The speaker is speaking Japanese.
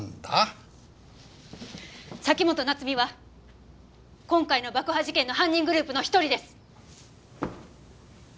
崎本菜津美は今回の爆破事件の犯人グループの一人です！